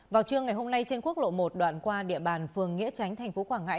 vào trưa ngày hôm nay trên quốc lộ một đoạn qua địa bàn phường nghĩa tránh thành phố quảng ngãi